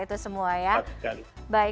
itu semua ya